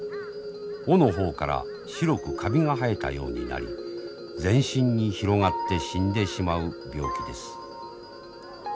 尾の方から白くカビが生えたようになり全身に広がって死んでしまう病気です。